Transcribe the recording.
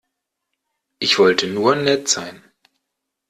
Ich wollte nur nett sein.